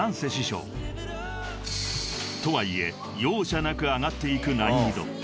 とはいえ容赦なく上がっていく難易度］